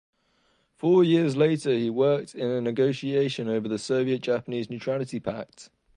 Four years later he worked in negotiations over the Soviet–Japanese Neutrality Pact.